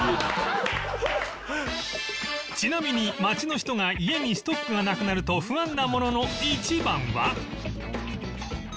ちなみに街の人が家にストックがなくなると不安なものの１番は？